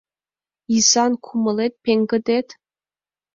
Изан кумылет пеҥгыдет -